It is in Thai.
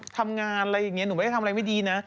ทำงานอะไรอย่างนี้หนูไม่ได้ทำอะไรไม่ดีนะ